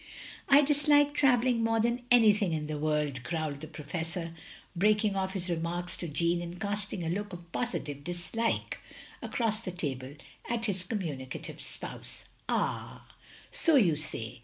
"I dislike travelling more than anything in the world," growled the Professor, breaking off his remarks to Jeanne, and casting a look of OP GROSVENOR SQUARE 219 positive dislike across the table at his commTini cative spouse. "Ah; so you say.